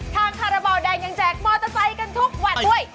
คาราบาลแดงยังแจกมอเตอร์ไซค์กันทุกวันด้วย